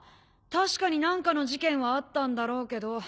確かに何かの事件はあったんだろうけど。